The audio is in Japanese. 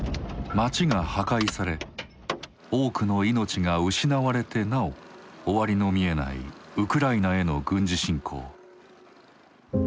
町が破壊され多くの命が失われてなお終わりの見えないウクライナへの軍事侵攻。